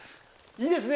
いいですね。